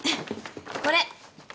これ。